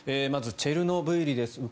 まず、チェルノブイリです。